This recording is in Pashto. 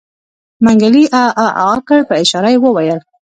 منګلي عاعاعا کړ په اشاره يې وويل.